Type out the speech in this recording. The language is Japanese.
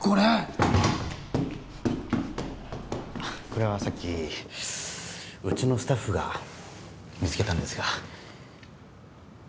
これはさっきうちのスタッフが見つけたんですが。